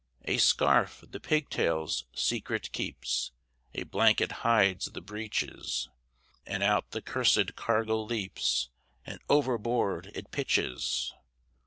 A scarf the pigtail's secret keeps, A blanket hides the breeches, And out the cursèd cargo leaps, And overboard it pitches!